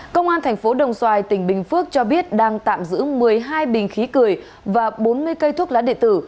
công an tp đồng xoài tỉnh bình phước cho biết đang tạm giữ một mươi hai bình khí cười và bốn mươi cây thuốc lá đệ tử